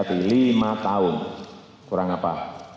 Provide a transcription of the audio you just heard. lima tahun kurang apa